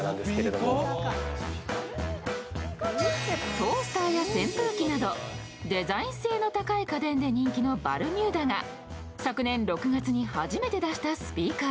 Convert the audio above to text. トースターや扇風機などデザイン性の高い家電で人気のバルミューダが昨年６月に初めて出したスピーカー。